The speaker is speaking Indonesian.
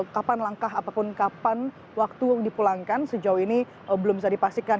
kapan langkah ataupun kapan waktu dipulangkan sejauh ini belum bisa dipastikan